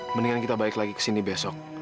mendingan kita balik lagi kesini besok